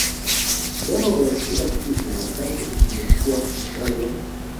yao ya kila siku Marekani imekuwa mstari wa